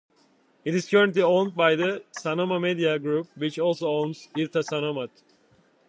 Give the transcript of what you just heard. It is currently owned by the Sanoma media group which also owns "Ilta Sanomat".